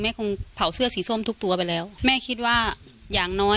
คงเผาเสื้อสีส้มทุกตัวไปแล้วแม่คิดว่าอย่างน้อย